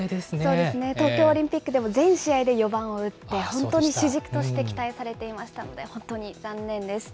そうですね、東京オリンピックでも全試合で４番を打って、本当に主軸として期待されていましたので、本当に残念です。